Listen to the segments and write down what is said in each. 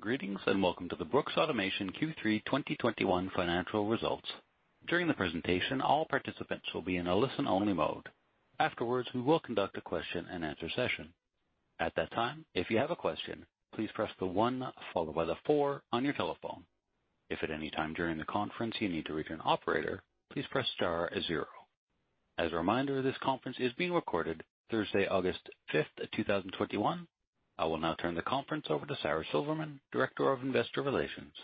Greeting and welcome to Brooks Automation Q3 2021 financial results. During the presentation, all participants will be in listen only mode. Afterwards we welcome you to ask a question and answer session. At that time, if you have a question please press the one followed by the four on your telephone. If at anytime during the conference you need to reach an operator please press star and zero. As a reminder, this conference is being recorded. Thursday August 5th, 2021. I will now turn the conference over to Sara Silverman, Director of Investor Relations.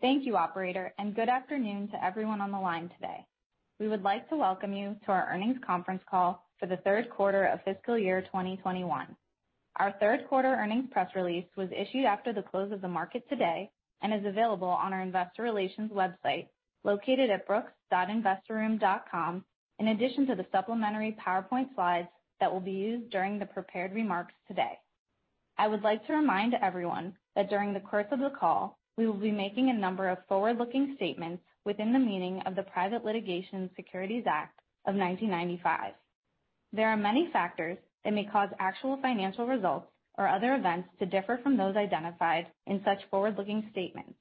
Thank you, operator, and good afternoon to everyone on the line today. We would like to welcome you to our earnings conference call for the third quarter of fiscal year 2021. Our third quarter earnings press release was issued after the close of the market today and is available on our investor relations website located at brooks.investorroom.com, in addition to the supplementary PowerPoint slides that will be used during the prepared remarks today. I would like to remind everyone that during the course of the call, we will be making a number of forward-looking statements within the meaning of the Private Securities Litigation Reform Act of 1995. There are many factors that may cause actual financial results or other events to differ from those identified in such forward-looking statements.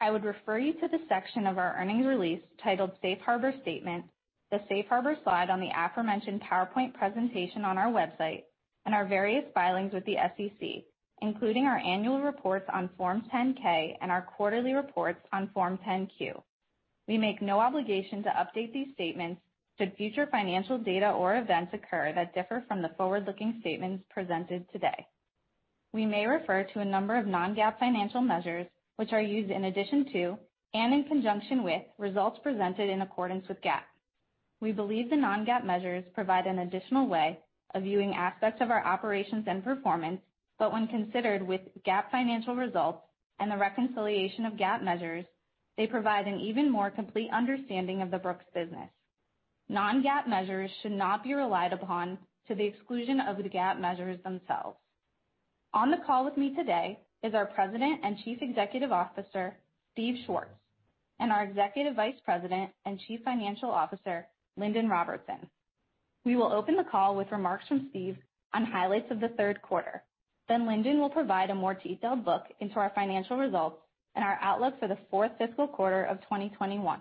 I would refer you to the section of our earnings release titled Safe Harbor Statement, the Safe Harbor slide on the aforementioned PowerPoint presentation on our website, and our various filings with the SEC, including our annual reports on Form 10-K and our quarterly reports on Form 10-Q. We make no obligation to update these statements should future financial data or events occur that differ from the forward-looking statements presented today. We may refer to a number of non-GAAP financial measures, which are used in addition to and in conjunction with results presented in accordance with GAAP. We believe the non-GAAP measures provide an additional way of viewing aspects of our operations and performance, but when considered with GAAP financial results and the reconciliation of GAAP measures, they provide an even more complete understanding of the Brooks business. Non-GAAP measures should not be relied upon to the exclusion of the GAAP measures themselves. On the call with me today is our President and Chief Executive Officer, Steve Schwartz, and our Executive Vice President and Chief Financial Officer, Lindon Robertson. We will open the call with remarks from Steve on highlights of the third quarter. Lindon will provide a more detailed look into our financial results and our outlook for the fourth fiscal quarter of 2021.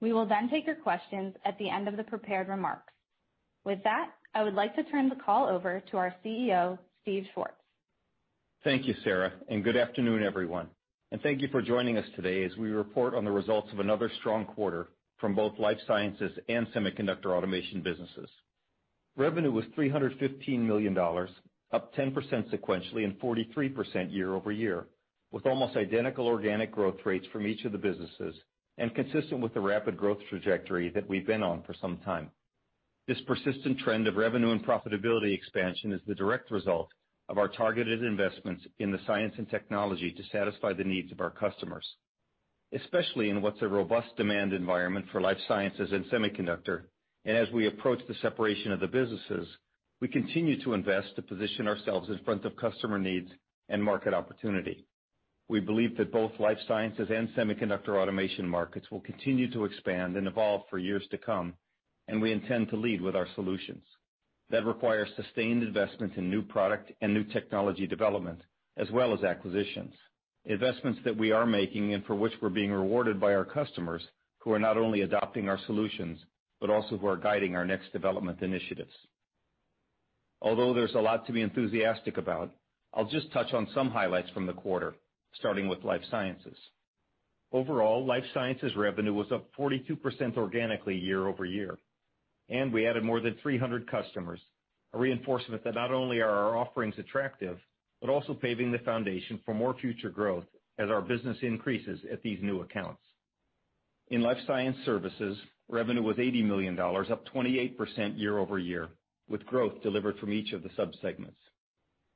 We will then take your questions at the end of the prepared remarks. With that, I would like to turn the call over to our CEO, Steve Schwartz. Thank you, Sara, good afternoon, everyone, thank you for joining us today as we report on the results of another strong quarter from both life sciences and semiconductor automation businesses. Revenue was $315 million, up 10% sequentially and 43% year-over-year, with almost identical organic growth rates from each of the businesses and consistent with the rapid growth trajectory that we've been on for some time. This persistent trend of revenue and profitability expansion is the direct result of our targeted investments in the science and technology to satisfy the needs of our customers, especially in what's a robust demand environment for life sciences and semiconductor. As we approach the separation of the businesses, we continue to invest to position ourselves in front of customer needs and market opportunity. We believe that both life sciences and semiconductor automation markets will continue to expand and evolve for years to come. We intend to lead with our solutions. That requires sustained investment in new product and new technology development, as well as acquisitions, investments that we are making and for which we're being rewarded by our customers, who are not only adopting our solutions, but also who are guiding our next development initiatives. Although there's a lot to be enthusiastic about, I'll just touch on some highlights from the quarter, starting with life sciences. Overall, life sciences revenue was up 42% organically year-over-year. We added more than 300 customers, a reinforcement that not only are our offerings attractive, but also paving the foundation for more future growth as our business increases at these new accounts. In life science services, revenue was $80 million, up 28% year-over-year, with growth delivered from each of the subsegments.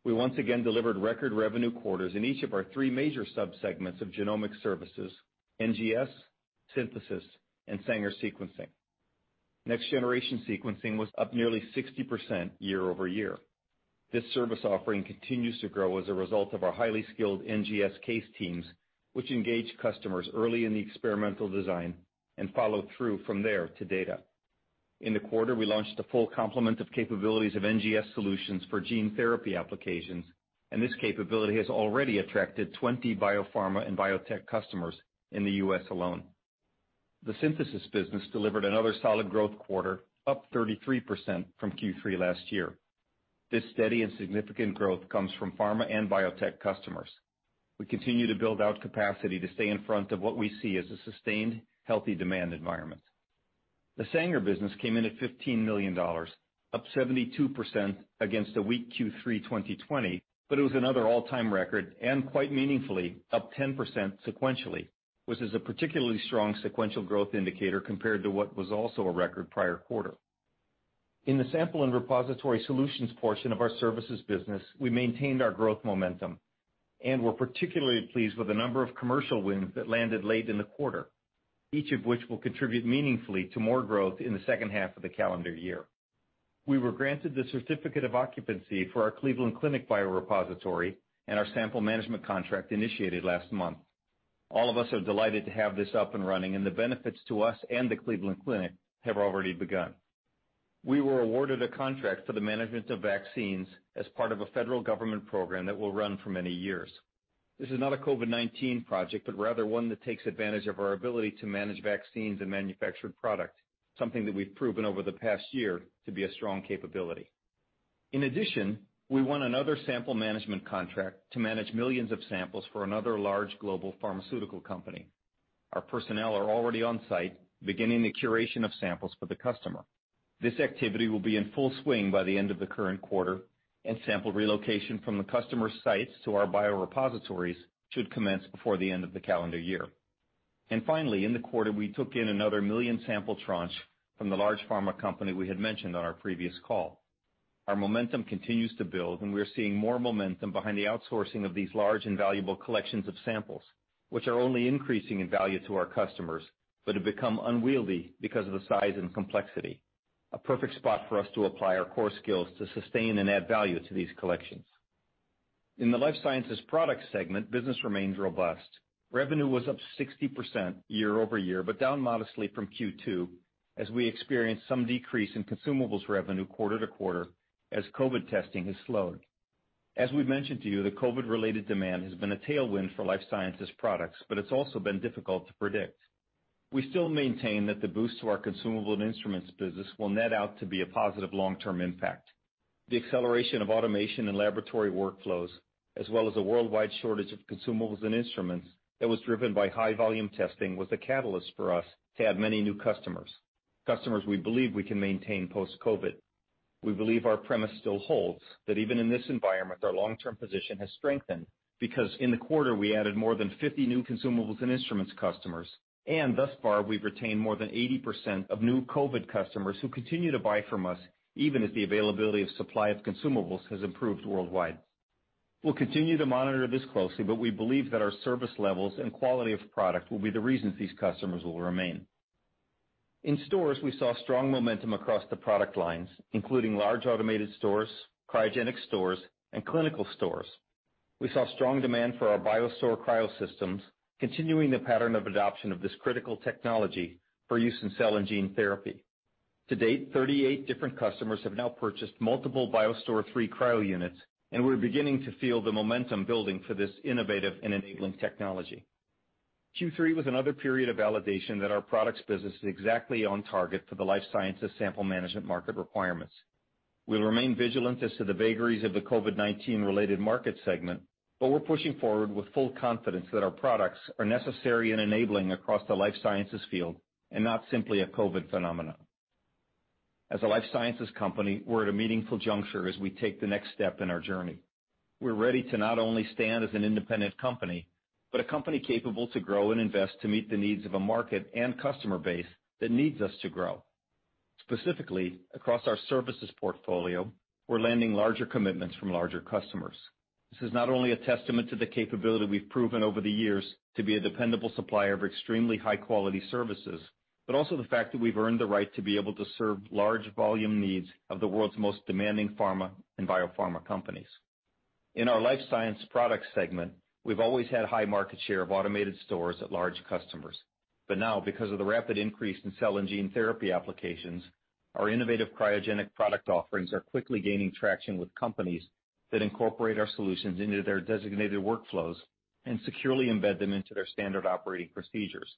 We once again delivered record revenue quarters in each of our three major subsegments of genomic services, NGS, synthesis, and Sanger sequencing. Next generation sequencing was up nearly 60% year-over-year. This service offering continues to grow as a result of our highly skilled NGS case teams, which engage customers early in the experimental design and follow through from there to data. In the quarter, we launched a full complement of capabilities of NGS solutions for gene therapy applications, and this capability has already attracted 20 biopharma and biotech customers in the U.S. alone. The synthesis business delivered another solid growth quarter, up 33% from Q3 last year. This steady and significant growth comes from pharma and biotech customers. We continue to build out capacity to stay in front of what we see as a sustained, healthy demand environment. The Sanger business came in at $15 million, up 72% against a weak Q3 2020, but it was another all-time record, and quite meaningfully up 10% sequentially, which is a particularly strong sequential growth indicator compared to what was also a record prior quarter. In the sample and repository solutions portion of our services business, we maintained our growth momentum and were particularly pleased with the number of commercial wins that landed late in the quarter, each of which will contribute meaningfully to more growth in the second half of the calendar year. We were granted the certificate of occupancy for our Cleveland Clinic BioRepository and our sample management contract initiated last month. All of us are delighted to have this up and running, and the benefits to us and the Cleveland Clinic have already begun. We were awarded a contract for the management of vaccines as part of a federal government program that will run for many years. This is not a COVID-19 project, but rather one that takes advantage of our ability to manage vaccines and manufactured product, something that we've proven over the past year to be a strong capability. In addition, we won another sample management contract to manage millions of samples for another large global pharmaceutical company. Our personnel are already on site, beginning the curation of samples for the customer. This activity will be in full swing by the end of the current quarter, and sample relocation from the customer sites to our biorepositories should commence before the end of the calendar year. Finally, in the quarter, we took in another 1 million sample tranche from the large pharma company we had mentioned on our previous call. Our momentum continues to build, we are seeing more momentum behind the outsourcing of these large and valuable collections of samples, which are only increasing in value to our customers, but have become unwieldy because of the size and complexity. A perfect spot for us to apply our core skills to sustain and add value to these collections. In the life sciences product segment, business remains robust. Revenue was up 60% year-over-year, down modestly from Q2 as we experienced some decrease in consumables revenue quarter-to-quarter as COVID testing has slowed. As we've mentioned to you, the COVID-related demand has been a tailwind for life sciences products, it's also been difficult to predict. We still maintain that the boost to our consumable and instruments business will net out to be a positive long-term impact. The acceleration of automation and laboratory workflows, as well as a worldwide shortage of consumables and instruments that was driven by high volume testing, was the catalyst for us to add many new customers we believe we can maintain post-COVID. We believe our premise still holds, that even in this environment, our long-term position has strengthened, because in the quarter, we added more than 50 new consumables and instruments customers. Thus far, we've retained more than 80% of new COVID customers who continue to buy from us, even as the availability of supply of consumables has improved worldwide. We'll continue to monitor this closely, but we believe that our service levels and quality of product will be the reasons these customers will remain. In stores, we saw strong momentum across the product lines, including large automated stores, cryogenic stores, and clinical stores. We saw strong demand for our BioStore cryo systems, continuing the pattern of adoption of this critical technology for use in cell and gene therapy. To date, 38 different customers have now purchased multiple BioStore III cryo units, and we're beginning to feel the momentum building for this innovative and enabling technology. Q3 was another period of validation that our products business is exactly on target for the life sciences sample management market requirements. We'll remain vigilant as to the vagaries of the COVID-19 related market segment, but we're pushing forward with full confidence that our products are necessary in enabling across the life sciences field, and not simply a COVID phenomenon. As a life sciences company, we're at a meaningful juncture as we take the next step in our journey. We're ready to not only stand as an independent company, but a company capable to grow and invest to meet the needs of a market and customer base that needs us to grow. Specifically, across our services portfolio, we're landing larger commitments from larger customers. This is not only a testament to the capability we've proven over the years to be a dependable supplier of extremely high-quality services, but also the fact that we've earned the right to be able to serve large volume needs of the world's most demanding pharma and biopharma companies. In our life science products segment, we've always had high market share of automated stores at large customers. Now, because of the rapid increase in cell and gene therapy applications, our innovative cryogenic product offerings are quickly gaining traction with companies that incorporate our solutions into their designated workflows and securely embed them into their standard operating procedures.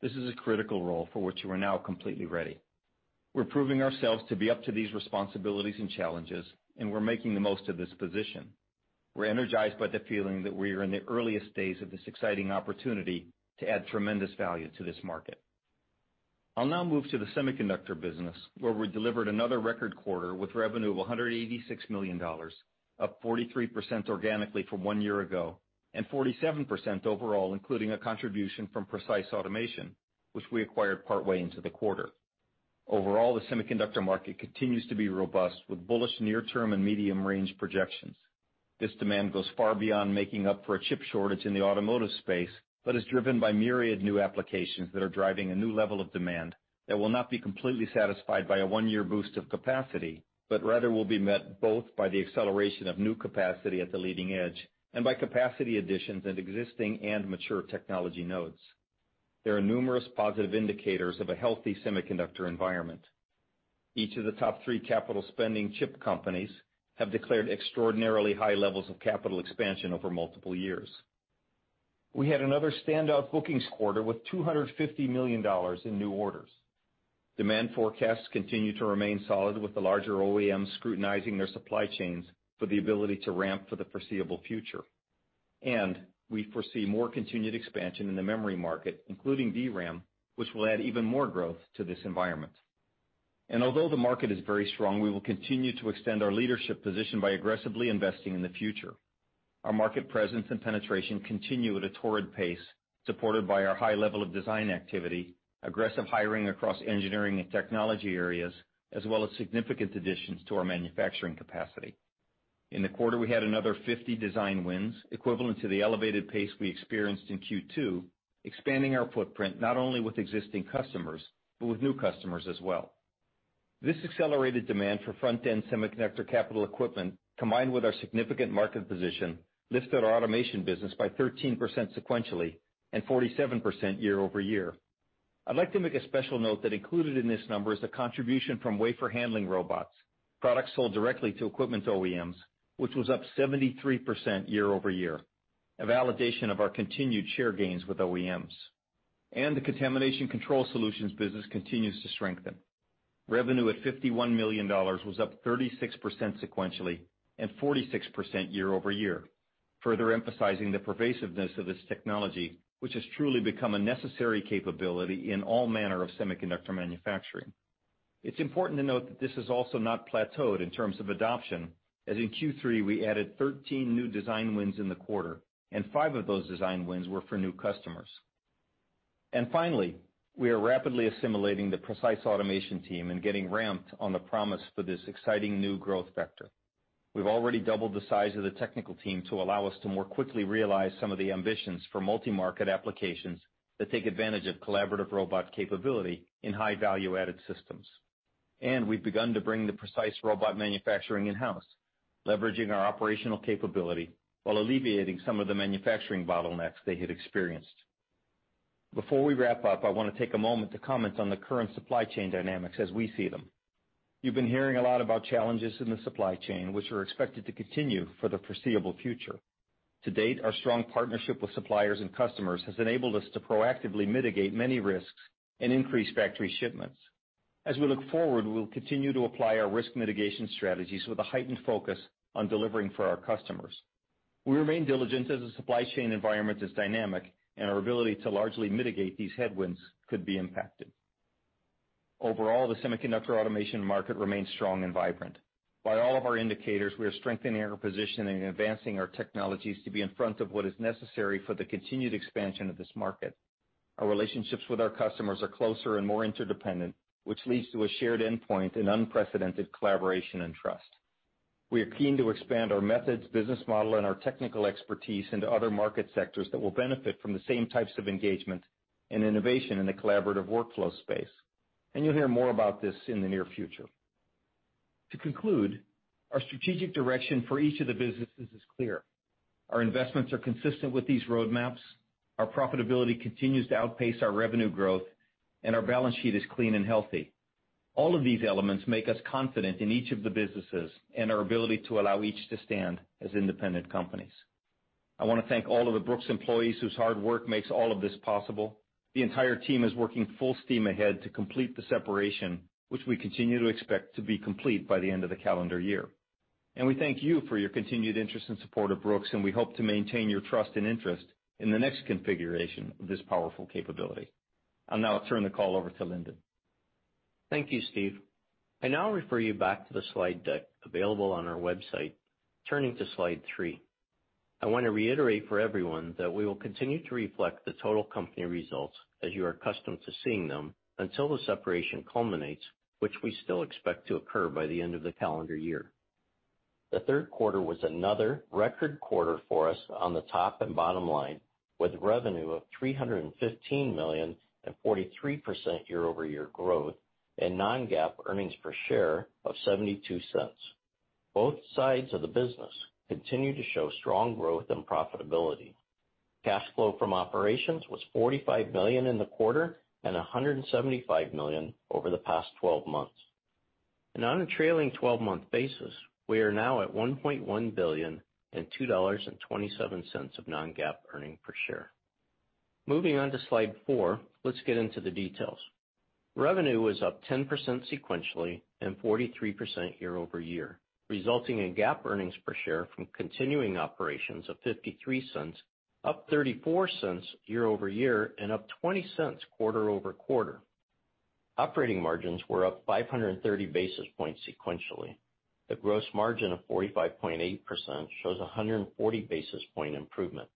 This is a critical role for which we're now completely ready. We're proving ourselves to be up to these responsibilities and challenges, and we're making the most of this position. We're energized by the feeling that we are in the earliest days of this exciting opportunity to add tremendous value to this market. I'll now move to the semiconductor business, where we delivered another record quarter with revenue of $186 million, up 43% organically from one year ago, and 47% overall, including a contribution from Precise Automation, which we acquired partway into the quarter. Overall, the semiconductor market continues to be robust, with bullish near term and medium range projections. This demand goes far beyond making up for a chip shortage in the automotive space, but is driven by myriad new applications that are driving a new level of demand that will not be completely satisfied by a one-year boost of capacity, but rather will be met both by the acceleration of new capacity at the leading edge and by capacity additions at existing and mature technology nodes. There are numerous positive indicators of a healthy semiconductor environment. Each of the top three capital spending chip companies have declared extraordinarily high levels of capital expansion over multiple years. We had another standout bookings quarter with $250 million in new orders. Demand forecasts continue to remain solid with the larger OEMs scrutinizing their supply chains for the ability to ramp for the foreseeable future. We foresee more continued expansion in the memory market, including DRAM, which will add even more growth to this environment. Although the market is very strong, we will continue to extend our leadership position by aggressively investing in the future. Our market presence and penetration continue at a torrid pace, supported by our high level of design activity, aggressive hiring across engineering and technology areas, as well as significant additions to our manufacturing capacity. In the quarter, we had another 50 design wins, equivalent to the elevated pace we experienced in Q2, expanding our footprint not only with existing customers, but with new customers as well. This accelerated demand for front-end semiconductor capital equipment, combined with our significant market position, lifted our automation business by 13% sequentially and 47% year-over-year. I'd like to make a special note that included in this number is the contribution from wafer handling robots, products sold directly to equipment OEMs, which was up 73% year-over-year, a validation of our continued share gains with OEMs. The contamination control solutions business continues to strengthen. Revenue at $51 million was up 36% sequentially and 46% year-over-year, further emphasizing the pervasiveness of this technology, which has truly become a necessary capability in all manner of semiconductor manufacturing. It's important to note that this has also not plateaued in terms of adoption, as in Q3, we added 13 new design wins in the quarter, and five of those design wins were for new customers. Finally, we are rapidly assimilating the Precise Automation team and getting ramped on the promise for this exciting new growth vector. We've already doubled the size of the technical team to allow us to more quickly realize some of the ambitions for multi-market applications that take advantage of collaborative robot capability in high value-added systems. We've begun to bring the Precise robot manufacturing in-house, leveraging our operational capability while alleviating some of the manufacturing bottlenecks they had experienced. Before we wrap up, I want to take a moment to comment on the current supply chain dynamics as we see them. You've been hearing a lot about challenges in the supply chain, which are expected to continue for the foreseeable future. To date, our strong partnership with suppliers and customers has enabled us to proactively mitigate many risks and increase factory shipments. As we look forward, we will continue to apply our risk mitigation strategies with a heightened focus on delivering for our customers. We remain diligent as the supply chain environment is dynamic, and our ability to largely mitigate these headwinds could be impacted. Overall, the semiconductor automation market remains strong and vibrant. By all of our indicators, we are strengthening our position and advancing our technologies to be in front of what is necessary for the continued expansion of this market. Our relationships with our customers are closer and more interdependent, which leads to a shared endpoint and unprecedented collaboration and trust. We are keen to expand our methods, business model, and our technical expertise into other market sectors that will benefit from the same types of engagement and innovation in the collaborative workflow space. You'll hear more about this in the near future. To conclude, our strategic direction for each of the businesses is clear. Our investments are consistent with these roadmaps, our profitability continues to outpace our revenue growth, and our balance sheet is clean and healthy. All of these elements make us confident in each of the businesses and our ability to allow each to stand as independent companies. I want to thank all of the Brooks employees whose hard work makes all of this possible. The entire team is working full steam ahead to complete the separation, which we continue to expect to be complete by the end of the calendar year. We thank you for your continued interest and support of Brooks, and we hope to maintain your trust and interest in the next configuration of this powerful capability. I'll now turn the call over to Lindon. Thank you, Steve. I now refer you back to the slide deck available on our website. Turning to slide three. I want to reiterate for everyone that we will continue to reflect the total company results as you are accustomed to seeing them until the separation culminates, which we still expect to occur by the end of the calendar year. The third quarter was another record quarter for us on the top and bottom line, with revenue of $315 million and 43% year-over-year growth and non-GAAP earnings per share of $0.72. Both sides of the business continue to show strong growth and profitability. Cash flow from operations was $45 million in the quarter and $175 million over the past 12 months. On a trailing 12-month basis, we are now at $1.1 billion and $2.27 of non-GAAP earnings per share. Moving on to slide four, let's get into the details. Revenue was up 10% sequentially and 43% year-over-year, resulting in GAAP earnings per share from continuing operations of $0.53, up $0.34 year-over-year and up $0.20 quarter-over-quarter. Operating margins were up 530 basis points sequentially. The gross margin of 45.8% shows 140 basis point improvement.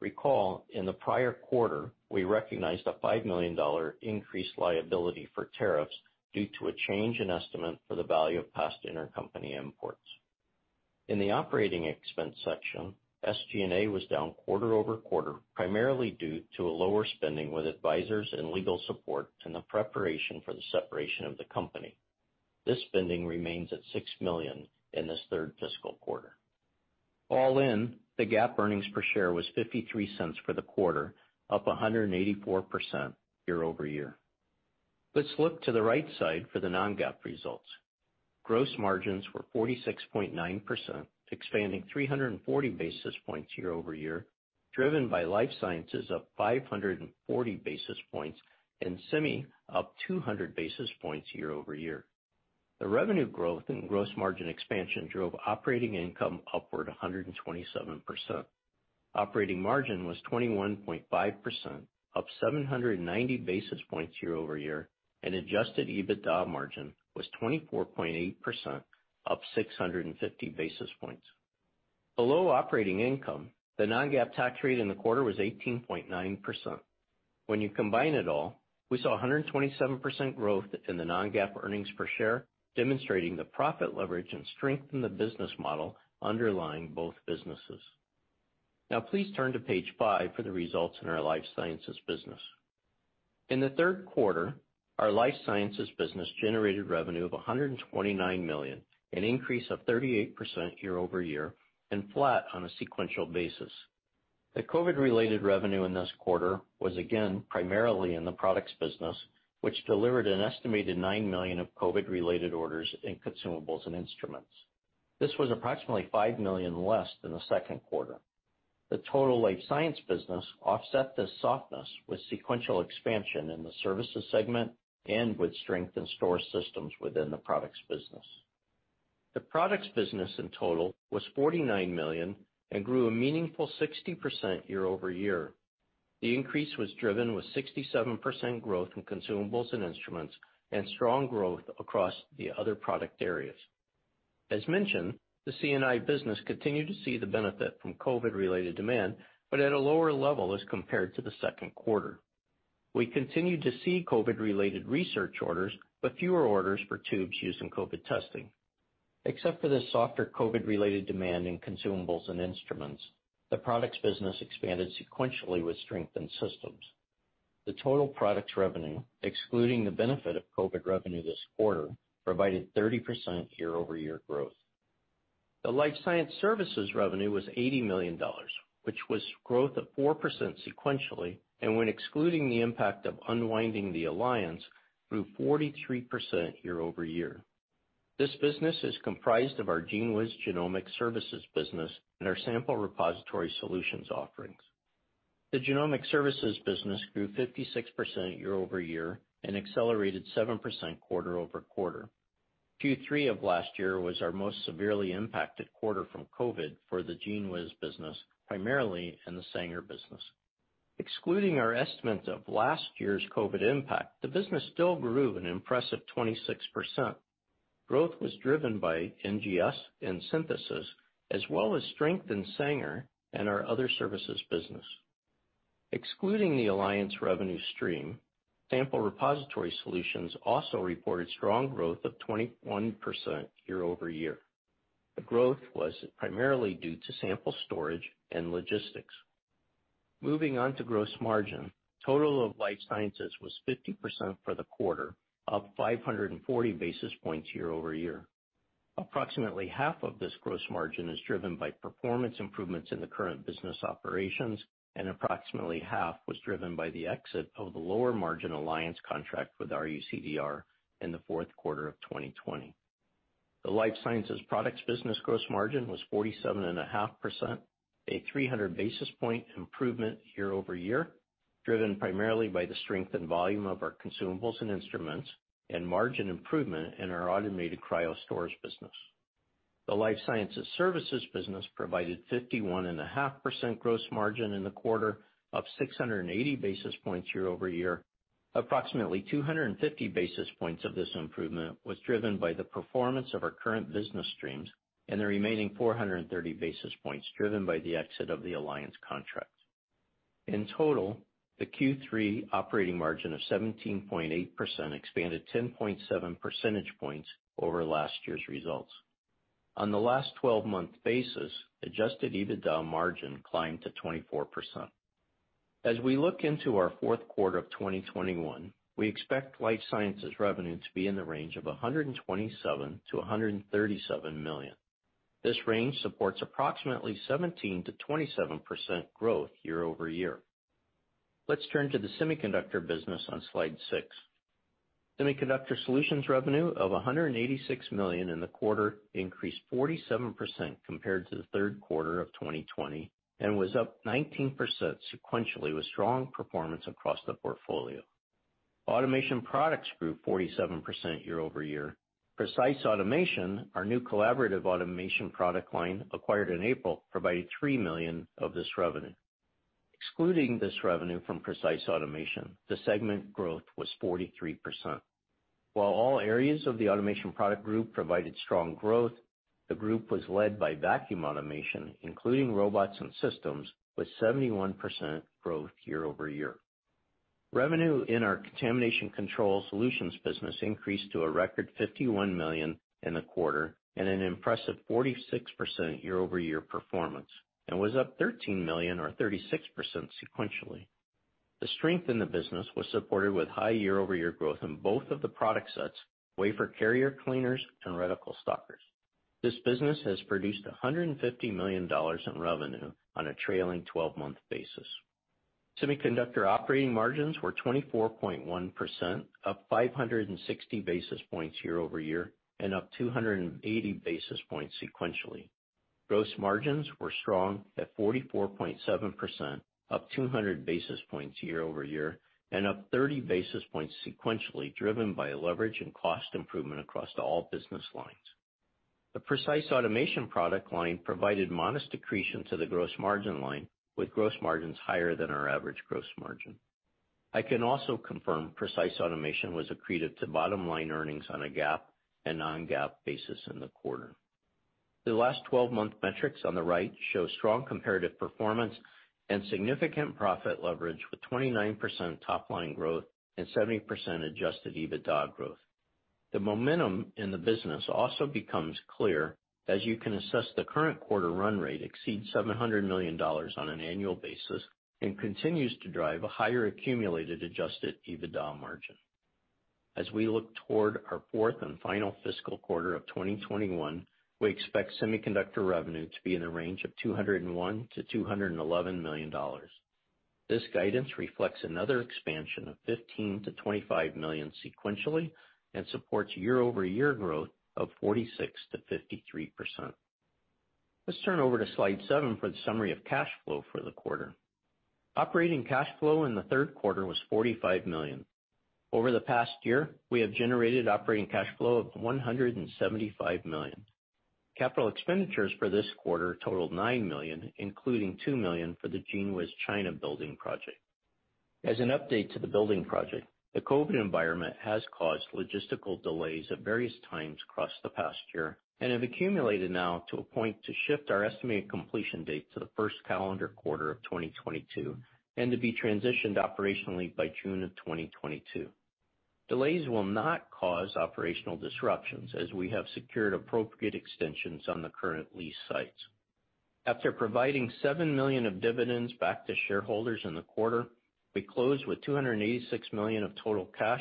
Recall, in the prior quarter, we recognized a $5 million increased liability for tariffs due to a change in estimate for the value of past intercompany imports. In the operating expense section, SG&A was down quarter-over-quarter, primarily due to a lower spending with advisors and legal support in the preparation for the separation of the company. This spending remains at $6 million in this third fiscal quarter. All in, the GAAP earnings per share was $0.53 for the quarter, up 184% year-over-year. Let's look to the right side for the non-GAAP results. Gross margins were 46.9%, expanding 340 basis points year-over-year, driven by life sciences up 540 basis points and semi up 200 basis points year-over-year. The revenue growth and gross margin expansion drove operating income upward 127%. Operating margin was 21.5%, up 790 basis points year-over-year, and adjusted EBITDA margin was 24.8%, up 650 basis points. Below operating income, the non-GAAP tax rate in the quarter was 18.9%. When you combine it all, we saw 127% growth in the non-GAAP earnings per share, demonstrating the profit leverage and strength in the business model underlying both businesses. Now please turn to page 5 for the results in our life sciences business. In the third quarter, our life sciences business generated revenue of $129 million, an increase of 38% year-over-year, and flat on a sequential basis. The COVID-related revenue in this quarter was again primarily in the products business, which delivered an estimated $9 million of COVID-related orders in consumables and instruments. This was approximately $5 million less than the second quarter. The total life science business offset this softness with sequential expansion in the services segment and with strength in BioStore systems within the products business. The products business in total was $49 million and grew a meaningful 60% year-over-year. The increase was driven with 67% growth in consumables and instruments and strong growth across the other product areas. As mentioned, the C&I business continued to see the benefit from COVID-related demand, but at a lower level as compared to the second quarter. We continued to see COVID-related research orders, but fewer orders for tubes used in COVID testing. Except for this softer COVID-related demand in consumables and instruments, the products business expanded sequentially with strength in systems. The total products revenue, excluding the benefit of COVID revenue this quarter, provided 30% year-over-year growth. The life science services revenue was $80 million, which was growth of 4% sequentially, and when excluding the impact of unwinding the alliance, grew 43% year-over-year. This business is comprised of our GENEWIZ genomic services business and our sample repository solutions offerings. The genomic services business grew 56% year-over-year and accelerated 7% quarter-over-quarter. Q3 of last year was our most severely impacted quarter from COVID for the GENEWIZ business, primarily in the Sanger business. Excluding our estimate of last year's COVID impact, the business still grew an impressive 26%. Growth was driven by NGS and synthesis, as well as strength in Sanger and our other services business. Excluding the alliance revenue stream, sample repository solutions also reported strong growth of 21% year-over-year. The growth was primarily due to sample storage and logistics. Moving on to gross margin, total of Life Sciences was 50% for the quarter, up 540 basis points year-over-year. Approximately half of this gross margin is driven by performance improvements in the current business operations, and approximately half was driven by the exit of the lower margin alliance contract with RUCDR in the fourth quarter of 2020. The Life Sciences products business gross margin was 47.5%, a 300 basis point improvement year-over-year, driven primarily by the strength and volume of our consumables and instruments and margin improvement in our automated cryostorage business. The Life Sciences services business provided 51.5% gross margin in the quarter, up 680 basis points year-over-year. Approximately 250 basis points of this improvement was driven by the performance of our current business streams and the remaining 430 basis points driven by the exit of the alliance contract. In total, the Q3 operating margin of 17.8% expanded 10.7 percentage points over last year's results. On the last 12-month basis, adjusted EBITDA margin climbed to 24%. As we look into our fourth quarter of 2021, we expect life sciences revenue to be in the range of $127 million-$137 million. This range supports approximately 17%-27% growth year-over-year. Let's turn to the semiconductor business on slide six. Semiconductor solutions revenue of $186 million in the quarter increased 47% compared to the third quarter of 2020, and was up 19% sequentially with strong performance across the portfolio. Automation products grew 47% year-over-year. Precise Automation, our new collaborative automation product line acquired in April, provided $3 million of this revenue. Excluding this revenue from Precise Automation, the segment growth was 43%. While all areas of the automation product group provided strong growth, the group was led by vacuum automation, including robots and systems, with 71% growth year-over-year. Revenue in our contamination control solutions business increased to a record $51 million in the quarter, and an impressive 46% year-over-year performance, and was up $13 million or 36% sequentially. The strength in the business was supported with high year-over-year growth in both of the product sets, wafer carrier cleaners and reticle stockers. This business has produced $150 million in revenue on a trailing 12-month basis. Semiconductor operating margins were 24.1%, up 560 basis points year-over-year, and up 280 basis points sequentially. Gross margins were strong at 44.7%, up 200 basis points year-over-year, and up 30 basis points sequentially, driven by leverage and cost improvement across all business lines. The Precise Automation product line provided modest accretion to the gross margin line, with gross margins higher than our average gross margin. I can also confirm Precise Automation was accretive to bottom-line earnings on a GAAP and non-GAAP basis in the quarter. The last 12-month metrics on the right show strong comparative performance and significant profit leverage with 29% top-line growth and 70% adjusted EBITDA growth. The momentum in the business also becomes clear as you can assess the current quarter run rate exceeds $700 million on an annual basis and continues to drive a higher accumulated adjusted EBITDA margin. As we look toward our fourth and final fiscal quarter of 2021, we expect semiconductor revenue to be in the range of $201 million-$211 million. This guidance reflects another expansion of $15 million-$25 million sequentially and supports year-over-year growth of 46%-53%. Let's turn over to slide seven for the summary of cash flow for the quarter. Operating cash flow in the third quarter was $45 million. Over the past year, we have generated operating cash flow of $175 million. Capital expenditures for this quarter totaled $9 million, including $2 million for the GENEWIZ China building project. As an update to the building project, the COVID environment has caused logistical delays at various times across the past year and have accumulated now to a point to shift our estimated completion date to the first calendar quarter of 2022, and to be transitioned operationally by June of 2022. Delays will not cause operational disruptions, as we have secured appropriate extensions on the current lease sites. After providing $7 million of dividends back to shareholders in the quarter, we closed with $286 million of total cash,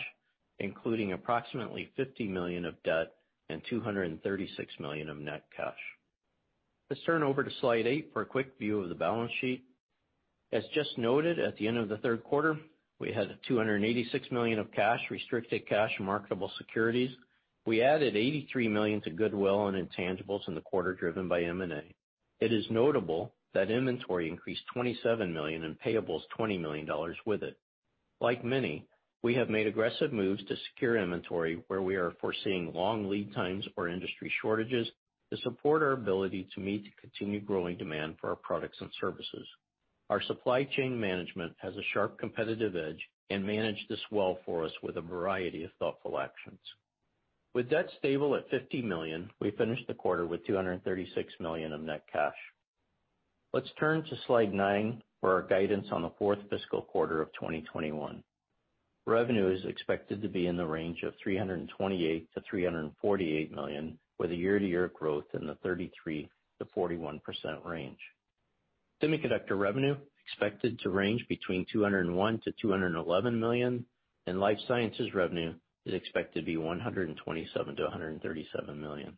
including approximately $50 million of debt and $236 million of net cash. Let's turn over to slide eight for a quick view of the balance sheet. As just noted, at the end of the third quarter, we had $286 million of cash, restricted cash, and marketable securities. We added $83 million to goodwill and intangibles in the quarter driven by M&A. It is notable that inventory increased $27 million and payables $20 million with it. Like many, we have made aggressive moves to secure inventory where we are foreseeing long lead times or industry shortages to support our ability to meet the continued growing demand for our products and services. Our supply chain management has a sharp competitive edge and managed this well for us with a variety of thoughtful actions. With debt stable at $50 million, we finished the quarter with $236 million of net cash. Let's turn to slide nine for our guidance on the fourth fiscal quarter of 2021. Revenue is expected to be in the range of $328 million-$348 million, with a year-to-year growth in the 33%-41% range. Semiconductor revenue expected to range between $201 million-$211 million, and life sciences revenue is expected to be $127 million-$137 million.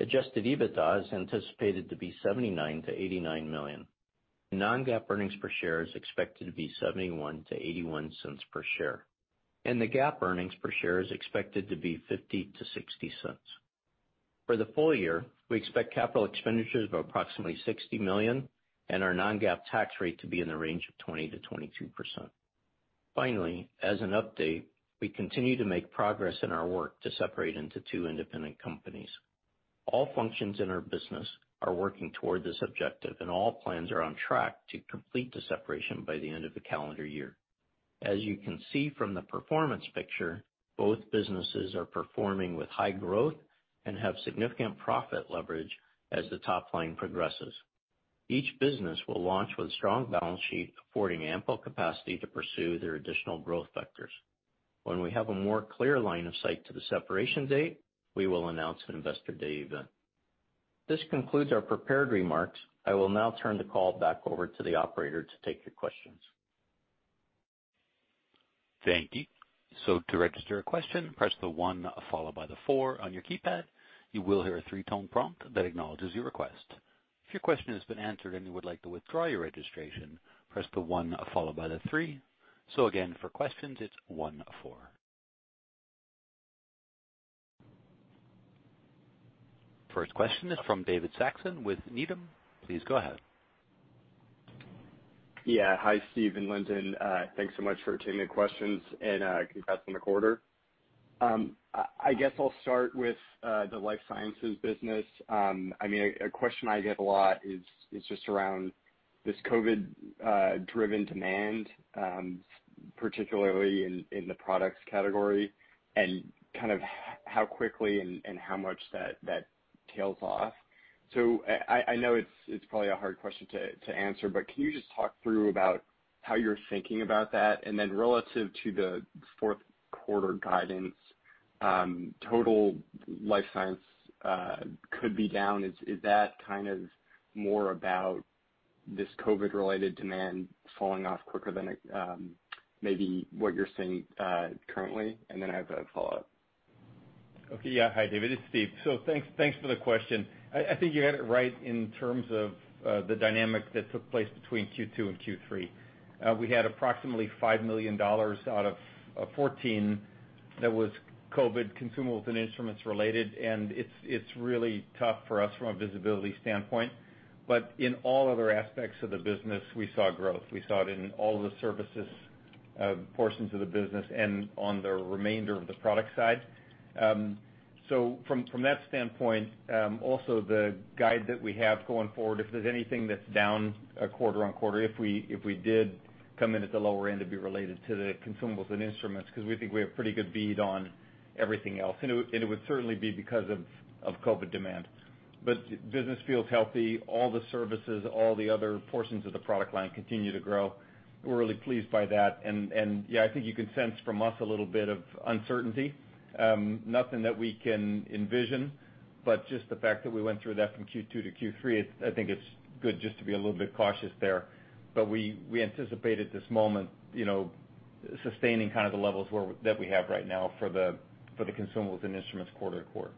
Adjusted EBITDA is anticipated to be $79 million-$89 million. Non-GAAP earnings per share is expected to be $0.71-$0.81 per share. The GAAP earnings per share is expected to be $0.50-$0.60. For the full year, we expect capital expenditures of approximately $60 million and our non-GAAP tax rate to be in the range of 20%-22%. As an update, we continue to make progress in our work to separate into two independent companies. All functions in our business are working toward this objective, and all plans are on track to complete the separation by the end of the calendar year. As you can see from the performance picture, both businesses are performing with high growth and have significant profit leverage as the top line progresses. Each business will launch with a strong balance sheet affording ample capacity to pursue their additional growth vectors. When we have a more clear line of sight to the separation date, we will announce an investor day event. This concludes our prepared remarks. I will now turn the call back over to the operator to take your questions. Thank you. To register a question, press the one followed by the four on your keypad. You will hear a three-tone prompt that acknowledges your request. If your question has been answered and you would like to withdraw your registration, press the one followed by the three. Again, for questions, it's one, four. First question is from David Saxon with Needham. Please go ahead. Yeah. Hi, Steve and Lindon. Thanks so much for taking the questions and congrats on the quarter. I guess I'll start with the life sciences business. A question I get a lot is just around this COVID-19-driven demand, particularly in the products category, and how quickly and how much that tails off. I know it's probably a hard question to answer, but can you just talk through about how you're thinking about that? Relative to the fourth quarter guidance, total life sciences could be down. Is that more about this COVID-19-related demand falling off quicker than maybe what you're seeing currently? I have a follow-up. Okay, yeah. Hi, David. It's Steve. Thanks for the question. I think you had it right in terms of the dynamic that took place between Q2 and Q3. We had approximately $5 million out of 14 that was COVID consumables and instruments related, and it's really tough for us from a visibility standpoint. In all other aspects of the business, we saw growth. We saw it in all of the services portions of the business and on the remainder of the product side. From that standpoint, also the guide that we have going forward, if there's anything that's down quarter-on-quarter, if we did come in at the lower end, it'd be related to the consumables and instruments because we think we have pretty good bead on everything else, and it would certainly be because of COVID demand. Business feels healthy. All the services, all the other portions of the product line continue to grow. We're really pleased by that. Yeah, I think you can sense from us a little bit of uncertainty. Nothing that we can envision, but just the fact that we went through that from Q2 to Q3, I think it's good just to be a little bit cautious there. We anticipated this moment, sustaining the levels that we have right now for the consumables and instruments quarter to quarter.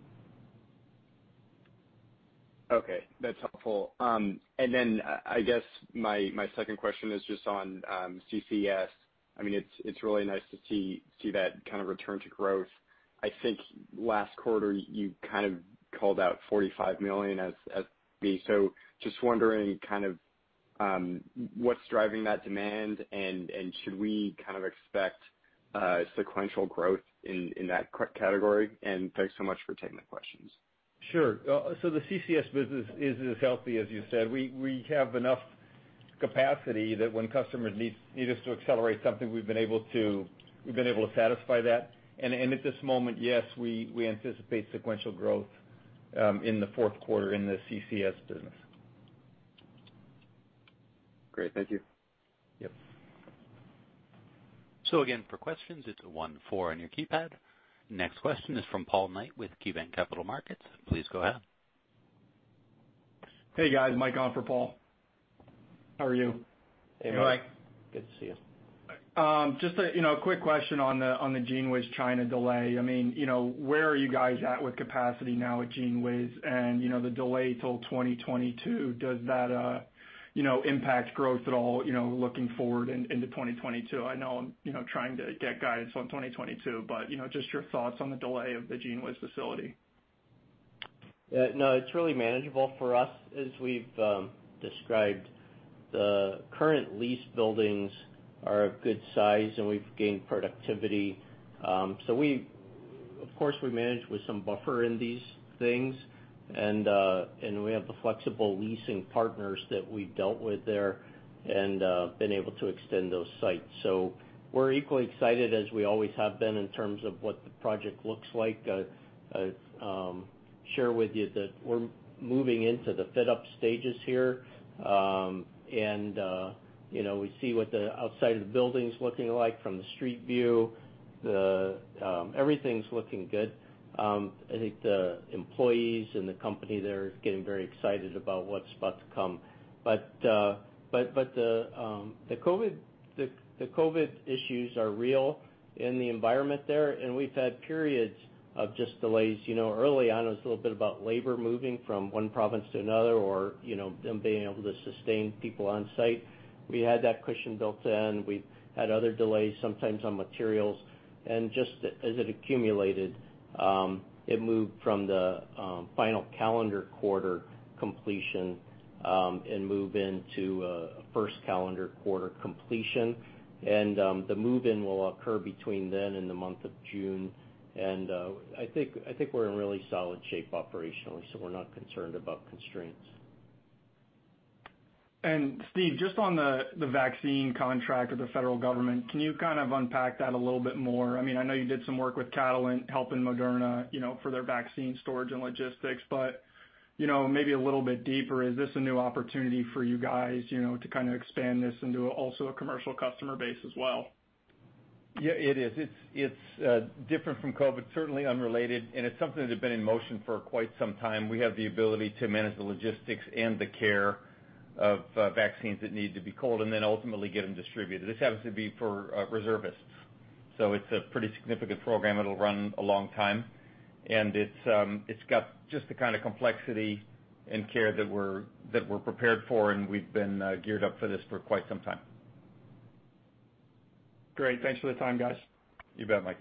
Okay, that's helpful. I guess my second question is just on CCS. It's really nice to see that kind of return to growth. I think last quarter you kind of called out $45 million as B. Just wondering what's driving that demand and should we kind of expect sequential growth in that category? Thanks so much for taking the questions. Sure. The CCS business is as healthy as you said. We have enough capacity that when customers need us to accelerate something, we've been able to satisfy that. At this moment, yes, we anticipate sequential growth in the fourth quarter in the CCS business. Great. Thank you. Yep. Again, for questions, it's one four on your keypad. Next question is from Paul Knight with KeyBanc Capital Markets. Please go ahead. Hey, guys. Mike on for Paul. How are you? Hey, Mike. Good to see you. Just a quick question on the GENEWIZ China delay. Where are you guys at with capacity now at GENEWIZ and the delay till 2022? Does that impact growth at all looking forward into 2022? I know I'm trying to get guidance on 2022, just your thoughts on the delay of the GENEWIZ facility. No, it's really manageable for us. As we've described, the current lease buildings are a good size, and we've gained productivity. Of course, we manage with some buffer in these things, and we have the flexible leasing partners that we've dealt with there and been able to extend those sites. We're equally excited as we always have been in terms of what the project looks like. Share with you that we're moving into the fit-up stages here. We see what the outside of the building's looking like from the street view. Everything's looking good. I think the employees and the company there is getting very excited about what's about to come. The COVID issues are real in the environment there, and we've had periods of just delays. Early on, it was a little bit about labor moving from one province to another or them being able to sustain people on site. We had that cushion built in. We've had other delays, sometimes on materials. Just as it accumulated, it moved from the final calendar quarter completion, and move into a first calendar quarter completion. The move-in will occur between then and the month of June. I think we're in really solid shape operationally, so we're not concerned about constraints. Steve, just on the vaccine contract with the federal government, can you kind of unpack that a little bit more? I know you did some work with Catalent helping Moderna for their vaccine storage and logistics, maybe a little bit deeper. Is this a new opportunity for you guys to expand this into also a commercial customer base as well? Yeah, it is. It's different from COVID-19, certainly unrelated, and it's something that had been in motion for quite some time. We have the ability to manage the logistics and the care of vaccines that need to be cold and then ultimately get them distributed. This happens to be for reservists. It's a pretty significant program. It'll run a long time. It's got just the kind of complexity and care that we're prepared for, and we've been geared up for this for quite some time. Great. Thanks for the time, guys. You bet, Mike.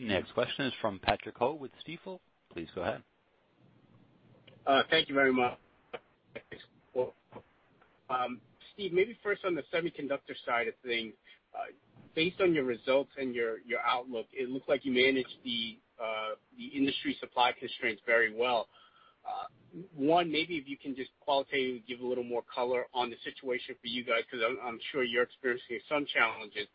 Next question is from Patrick Ho with Stifel. Please go ahead. Thank you very much. Steve, maybe first on the semiconductor side of things. Based on your results and your outlook, it looks like you managed the industry supply constraints very well. One, maybe if you can just qualitatively give a little more color on the situation for you guys, because I'm sure you're experiencing some challenges.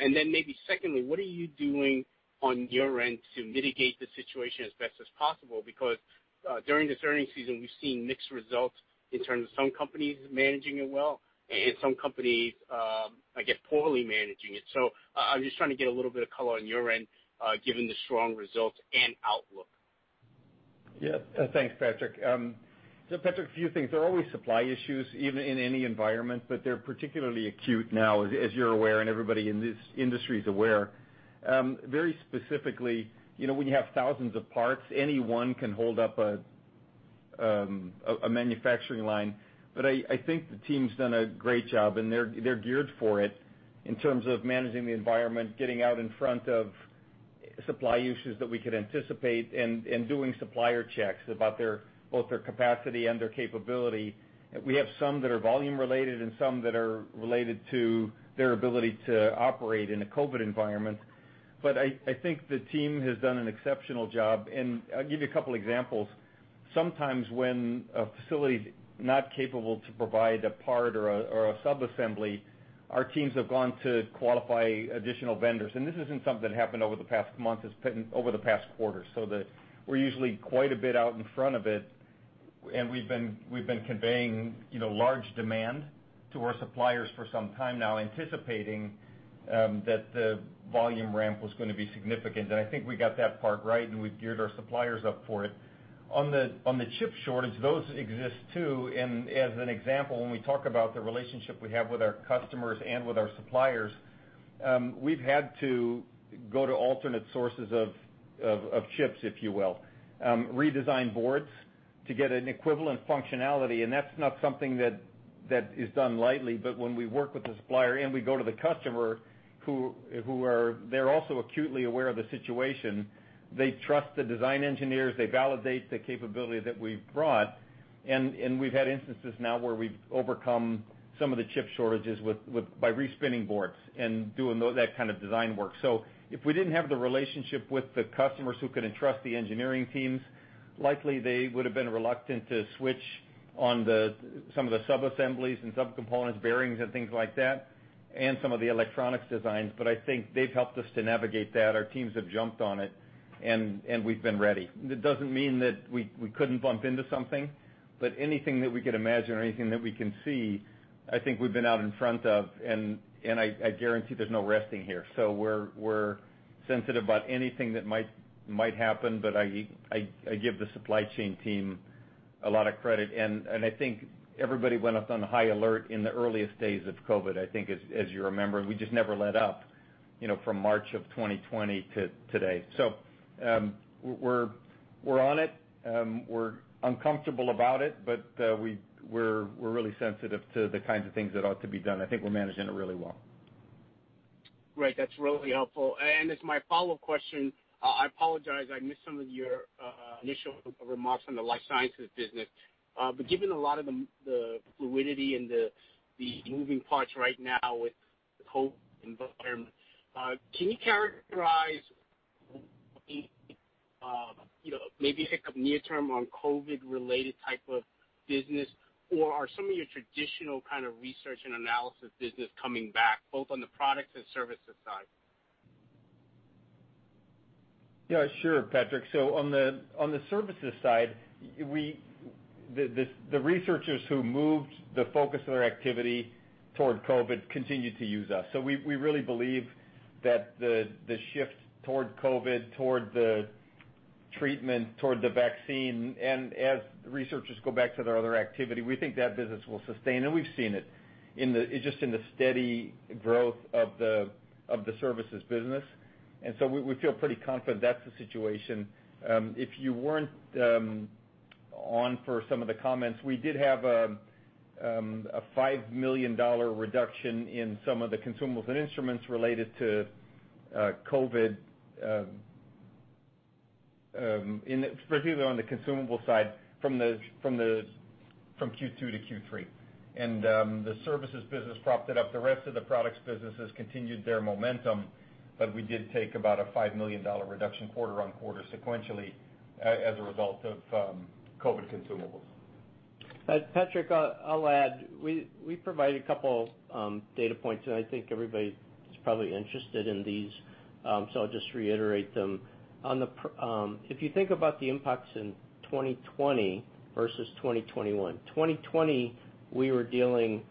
Maybe secondly, what are you doing on your end to mitigate the situation as best as possible? During this earnings season, we've seen mixed results in terms of some companies managing it well and some companies, I guess, poorly managing it. I'm just trying to get a little bit of color on your end, given the strong results and outlook. Yeah. Thanks, Patrick. Patrick, a few things. There are always supply issues in any environment, but they're particularly acute now, as you're aware, and everybody in this industry is aware. Very specifically, when you have thousands of parts, any one can hold up a manufacturing line. I think the team's done a great job, and they're geared for it in terms of managing the environment, getting out in front of supply issues that we could anticipate, and doing supplier checks about both their capacity and their capability. We have some that are volume related and some that are related to their ability to operate in a COVID-19 environment. I think the team has done an exceptional job, and I'll give you a couple examples. Sometimes when a facility is not capable to provide a part or a sub-assembly, our teams have gone to qualify additional vendors. This isn't something that happened over the past month, it's been over the past quarter, so that we're usually quite a bit out in front of it, and we've been conveying large demand to our suppliers for some time now, anticipating that the volume ramp was going to be significant. I think we got that part right, and we've geared our suppliers up for it. On the chip shortage, those exist too, and as an example, when we talk about the relationship we have with our customers and with our suppliers, we've had to go to alternate sources of chips, if you will, redesign boards to get an equivalent functionality, and that's not something that is done lightly. When we work with the supplier, and we go to the customer, they're also acutely aware of the situation. They trust the design engineers. They validate the capability that we've brought. We've had instances now where we've overcome some of the chip shortages by re-spinning boards and doing that kind of design work. If we didn't have the relationship with the customers who could entrust the engineering teams, likely they would've been reluctant to switch on some of the sub-assemblies and sub-components, bearings and things like that, and some of the electronics designs. I think they've helped us to navigate that. Our teams have jumped on it, and we've been ready. That doesn't mean that we couldn't bump into something, but anything that we could imagine or anything that we can see, I think we've been out in front of, and I guarantee there's no resting here. We're sensitive about anything that might happen, but I give the supply chain team a lot of credit. I think everybody went up on high alert in the earliest days of COVID, as you remember, and we just never let up from March of 2020 to today. We're on it. We're uncomfortable about it, but we're really sensitive to the kinds of things that ought to be done. I think we're managing it really well. Great. That's really helpful. As my follow-up question, I apologize, I missed some of your initial remarks on the life sciences business. Given a lot of the fluidity and the moving parts right now with the whole environment, can you characterize maybe a pick up near term on COVID related type of business? Are some of your traditional kind of research and analysis business coming back, both on the products and services side? Yeah, sure, Patrick. On the services side, the researchers who moved the focus of their activity toward COVID-19 continue to use us. We really believe that the shift toward COVID-19, toward the treatment, toward the vaccine, and as researchers go back to their other activity, we think that business will sustain. We've seen it, just in the steady growth of the services business. We feel pretty confident that's the situation. If you weren't on for some of the comments, we did have a $5 million reduction in some of the consumables and instruments related to COVID-19, particularly on the consumable side, from Q2 to Q3. The services business propped it up. The rest of the products businesses continued their momentum, but we did take about a $5 million reduction quarter-on-quarter sequentially, as a result of COVID-19 consumables. Patrick, I'll add. We provided a couple data points, and I think everybody is probably interested in these, so I'll just reiterate them. If you think about the impacts in 2020 versus 2021. 2020, we were dealing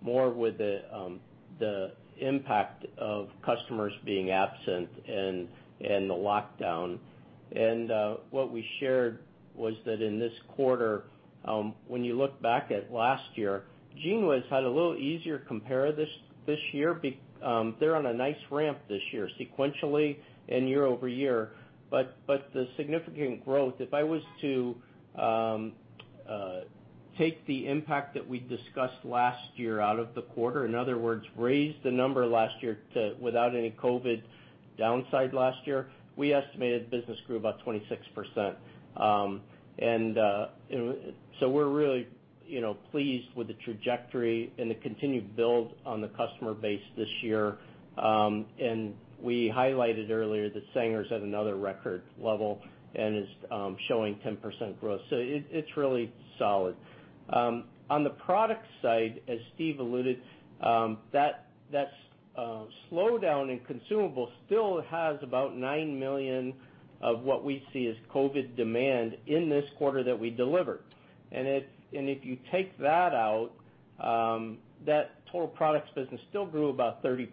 more with the impact of customers being absent and the lockdown. What we shared was that in this quarter, when you look back at last year, GENEWIZ had a little easier compare this year. They're on a nice ramp this year, sequentially and year over year. The significant growth, if I was to take the impact that we discussed last year out of the quarter, in other words, raise the number last year without any COVID-19 downside last year, we estimated the business grew about 26%. We're really pleased with the trajectory and the continued build on the customer base this year. We highlighted earlier that Sanger's at another record level and is showing 10% growth. It's really solid. On the product side, as Steve alluded, that slowdown in consumable still has about $9 million of what we see as COVID demand in this quarter that we delivered. If you take that out, that total products business still grew about 30%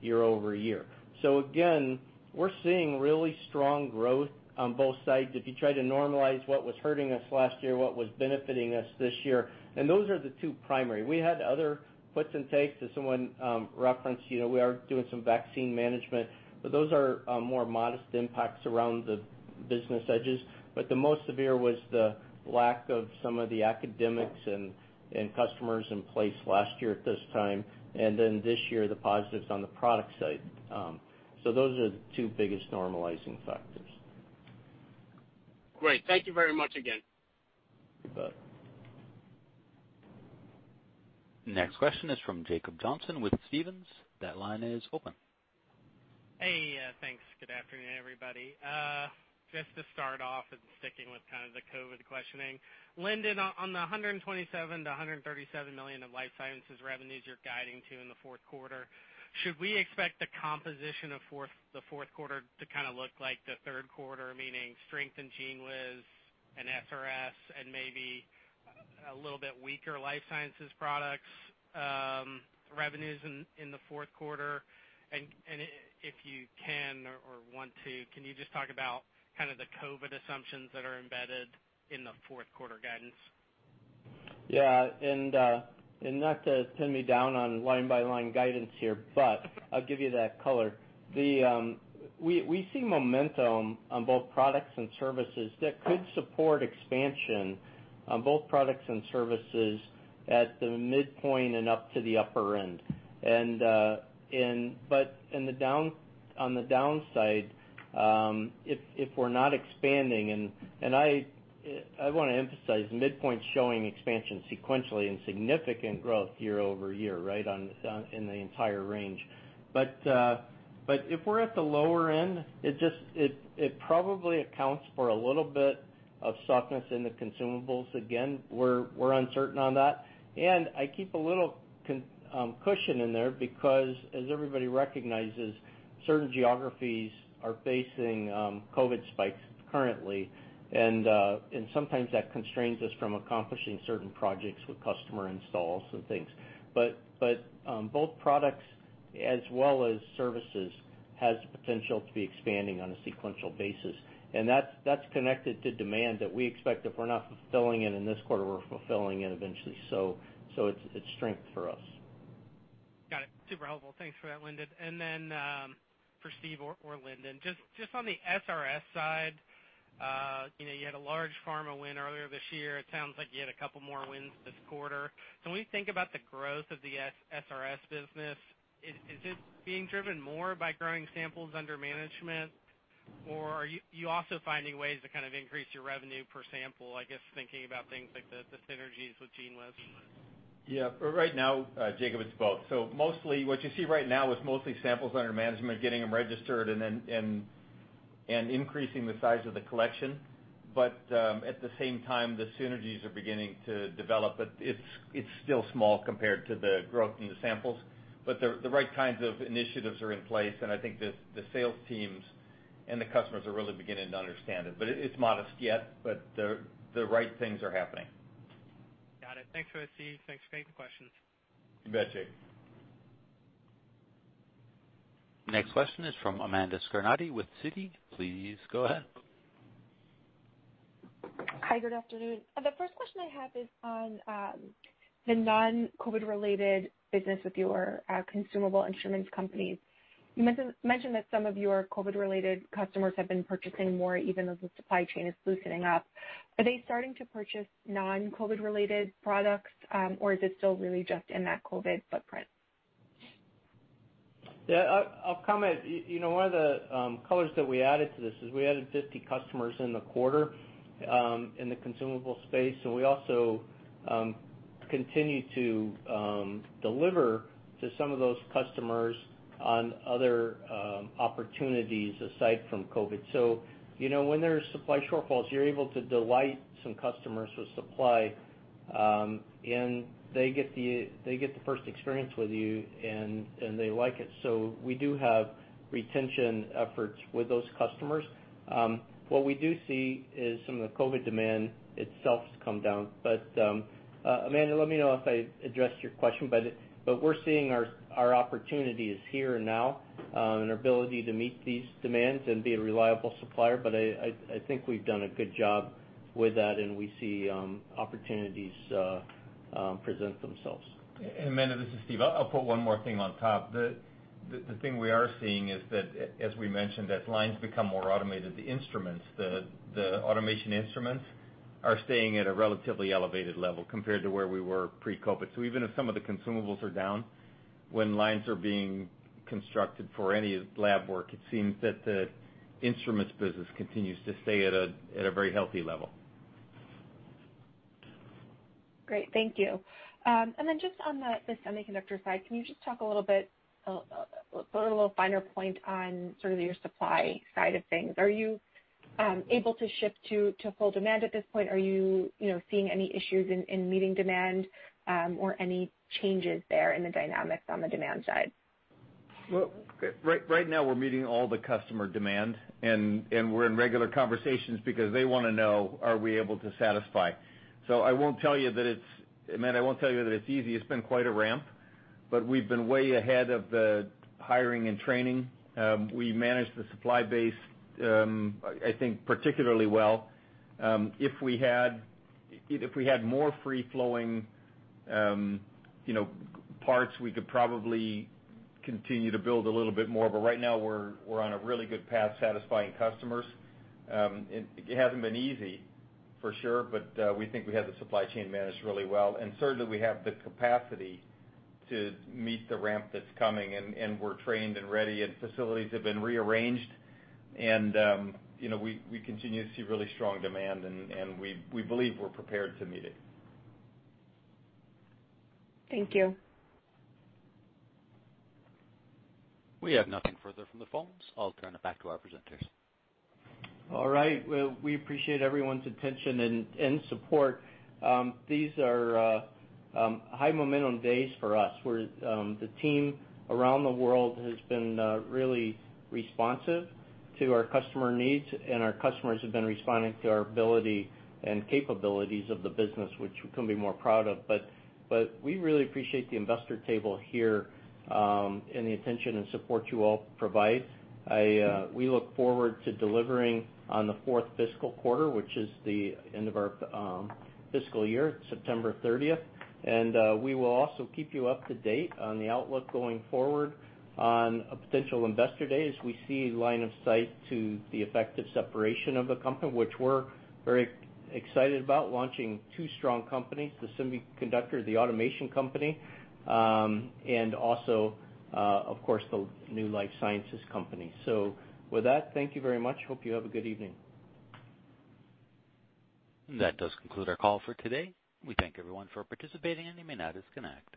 year-over-year. Again, we're seeing really strong growth on both sides. If you try to normalize what was hurting us last year, what was benefiting us this year, and those are the two primary. We had other puts and takes as someone referenced. We are doing some vaccine management, but those are more modest impacts around the business edges. The most severe was the lack of some of the academics and customers in place last year at this time. This year, the positives on the product side. Those are the two biggest normalizing factors. Great. Thank you very much again. You bet. Next question is from Jacob Johnson with Stephens. That line is open. Hey, thanks. Good afternoon, everybody. Just to start off, sticking with kind of the COVID questioning. Lindon, on the $127 million-$137 million of life sciences revenues you're guiding to in the fourth quarter, should we expect the composition of the fourth quarter to kind of look like the third quarter, meaning strength in GENEWIZ and SRS and maybe a little bit weaker life sciences products revenues in the fourth quarter? If you can or want to, can you just talk about kind of the COVID assumptions that are embedded in the fourth quarter guidance? Yeah. Not to pin me down on line-by-line guidance here, I'll give you that color. We see momentum on both products and services that could support expansion on both products and services at the midpoint and up to the upper end. On the downside, if we're not expanding, I want to emphasize, midpoint's showing expansion sequentially and significant growth year-over-year in the entire range. If we're at the lower end, it probably accounts for a little bit of softness in the consumables. Again, we're uncertain on that. I keep a little cushion in there because, as everybody recognizes, certain geographies are facing COVID-19 spikes currently, and sometimes that constrains us from accomplishing certain projects with customer installs and things. Both products as well as services, has the potential to be expanding on a sequential basis. That's connected to demand that we expect if we're not fulfilling it in this quarter, we're fulfilling it eventually. It's strength for us. Got it. Super helpful. Thanks for that, Lindon. For Steve or Lindon, just on the SRS side, you had a large pharma win earlier this year. It sounds like you had a couple more wins this quarter. When you think about the growth of the SRS business, is it being driven more by growing samples under management? Or are you also finding ways to kind of increase your revenue per sample, I guess thinking about things like the synergies with GENEWIZ? Yeah. For right now, Jacob, it's both. What you see right now is mostly samples under management, getting them registered and increasing the size of the collection. At the same time, the synergies are beginning to develop, but it's still small compared to the growth in the samples. The right kinds of initiatives are in place, and I think the sales teams and the customers are really beginning to understand it. It's modest yet, but the right things are happening. Got it. Thanks for that, Steve. Thanks for taking the question. You bet, Jacob. Next question is from Amanda Scarnati with Citi. Please go ahead. Hi, good afternoon. The first question I have is on the non-COVID related business with your consumable instruments companies. You mentioned that some of your COVID related customers have been purchasing more even as the supply chain is loosening up. Are they starting to purchase non-COVID related products? Is it still really just in that COVID footprint? Yeah. I'll comment. One of the colors that we added to this is, we added 50 customers in the quarter, in the consumable space. We also continue to deliver to some of those customers on other opportunities aside from COVID. When there's supply shortfalls, you're able to delight some customers with supply, and they get the first experience with you, and they like it. We do have retention efforts with those customers. What we do see is some of the COVID demand itself has come down. Amanda, let me know if I addressed your question, but we're seeing our opportunities here and now, and our ability to meet these demands and be a reliable supplier. I think we've done a good job with that, and we see opportunities present themselves. Amanda, this is Steve. I'll put one more thing on top. The thing we are seeing is that, as we mentioned, as lines become more automated, the instruments, the automation instruments, are staying at a relatively elevated level compared to where we were pre-COVID-19. Even if some of the consumables are down, when lines are being constructed for any lab work, it seems that the instruments business continues to stay at a very healthy level. Great. Thank you. Just on the semiconductor side, can you just talk a little bit, put a little finer point on sort of your supply side of things. Are you able to ship to full demand at this point? Are you seeing any issues in meeting demand? Any changes there in the dynamics on the demand side? Right now we're meeting all the customer demand, and we're in regular conversations because they want to know, are we able to satisfy. Amanda, I won't tell you that it's easy. It's been quite a ramp, but we've been way ahead of the hiring and training. We managed the supply base, I think particularly well. If we had more free-flowing parts, we could probably continue to build a little bit more, but right now we're on a really good path satisfying customers. It hasn't been easy, for sure, but we think we have the supply chain managed really well. Certainly, we have the capacity to meet the ramp that's coming, and we're trained and ready, and facilities have been rearranged. We continue to see really strong demand, and we believe we're prepared to meet it. Thank you. We have nothing further from the phones. I'll turn it back to our presenters. All right. Well, we appreciate everyone's attention and support. These are high momentum days for us, where the team around the world has been really responsive to our customer needs, and our customers have been responding to our ability and capabilities of the business, which we couldn't be more proud of. We really appreciate the investor table here, and the attention and support you all provide. We look forward to delivering on the fourth fiscal quarter, which is the end of our fiscal year, September 30th. We will also keep you up to date on the outlook going forward on a potential investor day as we see line of sight to the effective separation of the company, which we're very excited about, launching two strong companies, the semiconductor, the automation company, and also, of course, the new life sciences company. With that, thank you very much. Hope you have a good evening. That does conclude our call for today. We thank everyone for participating, and you may now disconnect.